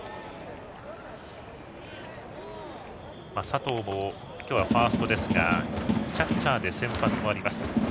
佐藤も今日はファーストですがキャッチャーで先発もあります。